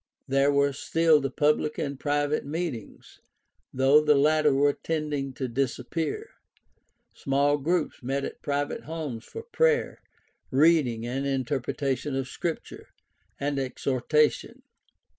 There were still the public and the private meetings, though the latter were tending to disappear. Small groups met at private homes for prayer, reading and interpretation of Scripture, and exhortation.